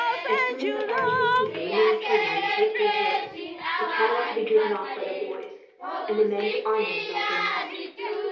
As soon as the fires were seen, the women and children were to take to the hills, the cattle to be driven off by the boys, and the men to arm themselves and mount.